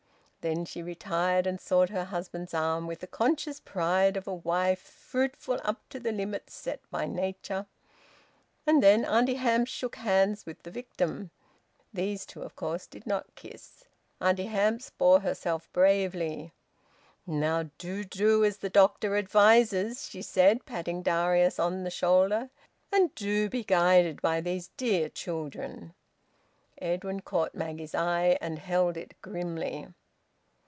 Then she retired and sought her husband's arm with the conscious pride of a wife fruitful up to the limits set by nature. And then Auntie Hamps shook hands with the victim. These two of course did not kiss. Auntie Hamps bore herself bravely. "Now do do as the doctor advises!" she said, patting Darius on the shoulder. "And do be guided by these dear children!" Edwin caught Maggie's eye, and held it grimly.